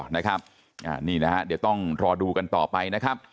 นี่นะฮะต้องรอดูกันต่อไป